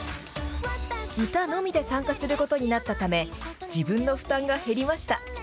歌のみで参加することになったため、自分の負担が減りました。